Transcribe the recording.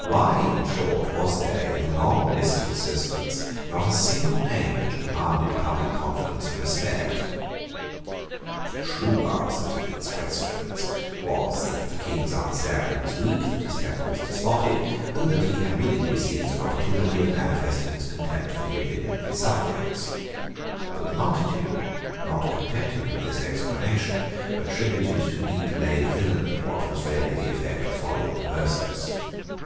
Why, in short, was there, in the long list of assistants, not a single name which commanded public confidence and respect? The true answer to these questions was that the King's understanding was weak, that his temper was despotic, and that he had willingly seized an opportunity of manifesting his contempt for the opinion of his subjects. But the multitude, not contented with this explanation, attributed to deep laid villany what was really the effect of folly and perverseness.